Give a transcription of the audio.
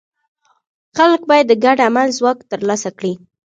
خلک باید د ګډ عمل ځواک ترلاسه کړي.